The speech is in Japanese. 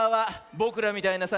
ぼくらみたいなさ